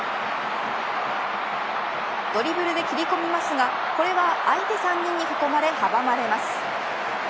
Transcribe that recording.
ドリブルで切り込みますがこれは相手３人に囲まれ阻まれます。